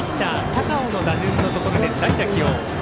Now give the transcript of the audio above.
高尾の打順のところで代打起用。